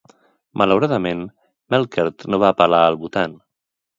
Malauradament, Melkert no va apel·lar al votant.